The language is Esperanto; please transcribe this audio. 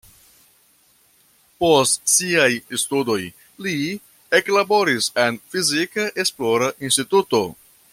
Post siaj studoj li eklaboris en fizika esplora instituto.